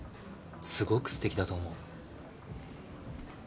すごくすてきだと思う。